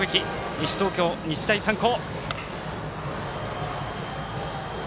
西東京、日大三高。